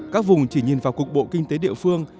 các vùng chỉ nhìn vào cục bộ kinh tế địa phương